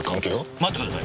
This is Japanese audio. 待ってください！